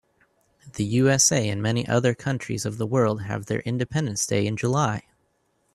The USA and many other countries of the world have their independence day in July.